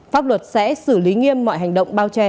pháp luật sẽ xử lý nghiêm mọi hành động bao che